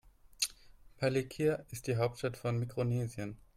Palikir ist die Hauptstadt von Mikronesien.